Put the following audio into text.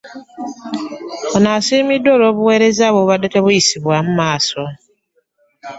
Ono asiimiddwa olw'obuweereza bwe obubadde tebuyisibwamu maaso.